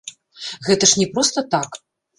Гэта ж не проста так!